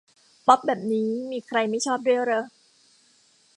ป๊อปแบบนี้มีใครไม่ชอบด้วยเรอะ